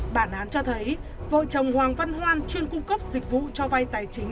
bản án cho thấy vợ chồng hoàng văn hoan chuyên cung cấp dịch vụ cho vay tài chính